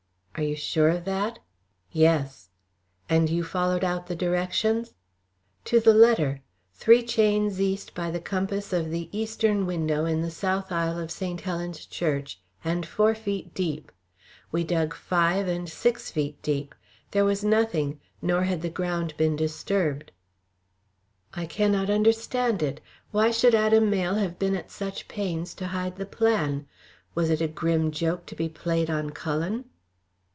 "Are you sure of that?" "Yes." "And you followed out the directions?" "To the letter. Three chains east by the compass of the eastern window in the south aisle of St. Helen's Church, and four feet deep! We dug five and six feet deep. There was nothing, nor had the ground been disturbed." "I cannot understand it. Why should Adam Mayle have been at such pains to hide the plan? Was it a grim joke to be played on Cullen?"